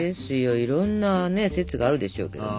いろんなね説があるでしょうけども。